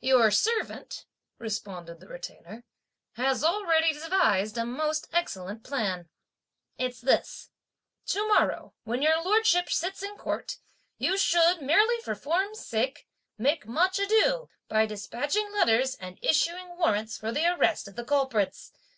"Your servant," responded the Retainer, "has already devised a most excellent plan. It's this: To morrow, when your Lordship sits in court, you should, merely for form's sake, make much ado, by despatching letters and issuing warrants for the arrest of the culprits.